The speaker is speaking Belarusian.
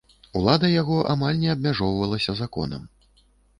Улада яго амаль не абмяжоўвалася законам.